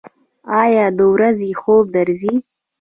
ایا د ورځې خوب درځي؟